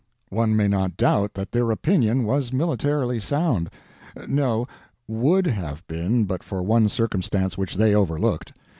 One may not doubt that their opinion was militarily sound—no, would have been, but for one circumstance which they overlooked.